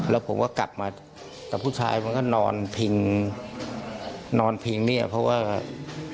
แล้วผมก็กลับมาแต่ผู้ชายมันก็นอนพิงนอนพิงเนี่ยเพราะว่า